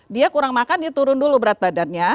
dia kurang makan dia turun dulu berat badannya